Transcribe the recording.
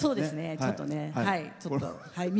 ちょっとね。